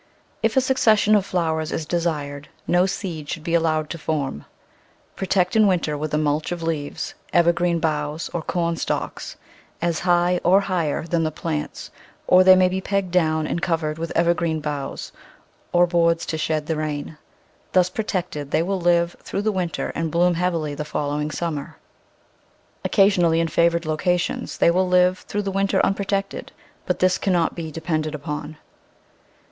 If a suc cession of flowers is desired, no seed should be allowed to form. Protect in winter with a mulch of leaves, evergreen boughs, or corn stalks, as high— or higher — than the plants, or they may be pegged down and covered with evergreen boughs, or boards to shed the rain. Thus protected they will live through the win ter and bloom heavily the following summer. Oc casionally in favoured locations they will live through the winter unprotected, but this cannot be depended upon.